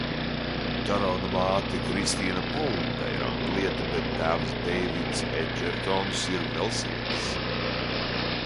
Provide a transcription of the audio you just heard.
Tarona māte Kristīna Pounda ir angliete, bet tēvs Deivids Edžertons ir velsietis.